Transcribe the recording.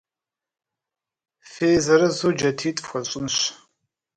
Фи зырызу джатитӏ фхуэсщӏынщ.